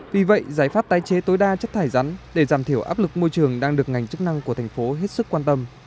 vì vậy giải pháp tái chế tối đa chất thải rắn để giảm thiểu áp lực môi trường đang được ngành chức năng của thành phố hết sức quan tâm